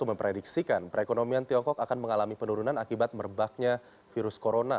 memprediksikan perekonomian tiongkok akan mengalami penurunan akibat merebaknya virus corona